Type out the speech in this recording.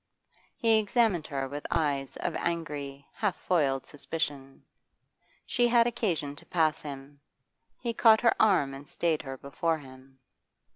He examined her with eyes of angry, half foiled suspicion. She had occasion to pass him; he caught her arm and stayed her before him.